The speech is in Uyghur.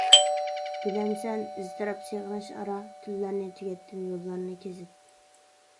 بىلەمسەن؟ ئىزتىراپ، سېغىنىش ئارا، تۈنلەرنى تۈگەتتىم يوللارنى كېزىپ.